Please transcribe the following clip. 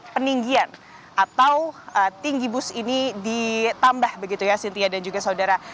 jadi ini adalah hal yang diperhatikan oleh sintia dan juga saudara